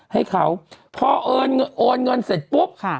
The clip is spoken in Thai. ให้เขาพอโอนเงินเสร็จปุ๊บค่ะ